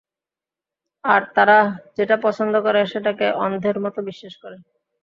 আর তারা যেটা পছন্দ করে সেটাকে অন্ধের মতো বিশ্বাস করে।